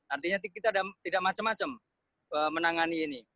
artinya kita tidak macam macam menangani ini